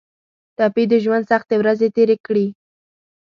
ټپي د ژوند سختې ورځې تېرې کړي.